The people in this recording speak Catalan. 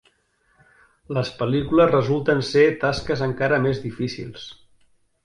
Les pel·lícules resulten ser tasques encara més difícils.